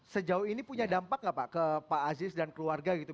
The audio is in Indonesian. sejauh ini punya dampak nggak pak ke pak aziz dan keluarga gitu